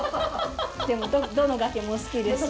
でもどの崖も好きですよ。